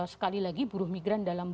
sekali lagi buruh migran dalam